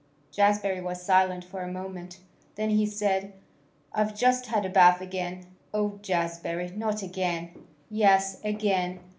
Jazbury was silent for a moment. Then he said, "I've just had a bath again." "Oh, Jazbury! Not again?" "Yes, again.